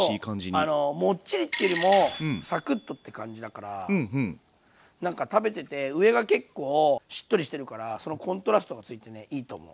そうモッチリっていうよりもサクッとって感じだからなんか食べてて上が結構しっとりしてるからそのコントラストがついてねいいと思う。